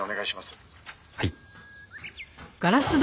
はい。